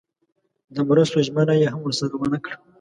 د مرستو ژمنه یې هم ورسره ونه کړه.